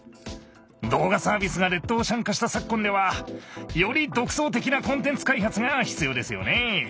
動画サービスがレッドオーシャン化した昨今ではより独創的なコンテンツ開発が必要ですよね。